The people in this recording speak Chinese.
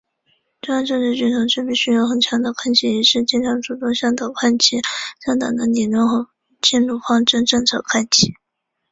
中央政治局的同志必须有很强的看齐意识，经常、主动向党中央看齐，向党的理论和路线方针政策看齐。